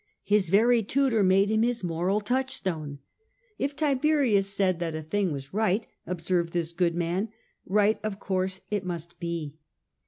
His very tutor made him his moral touchstone, If Tiberius said that a thing was right/^ observed this good man, right of course it must be.